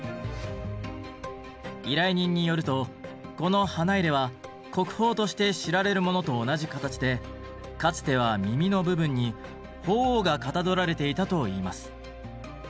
依頼人によるとこの花入は国宝として知られるものと同じ形でかつては耳の部分に鳳凰がかたどられていたといいます。